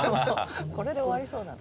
これで終わりそうな。